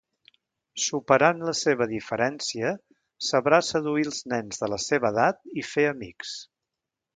Superant la seva diferència, sabrà seduir els nens de la seva edat i fer amics.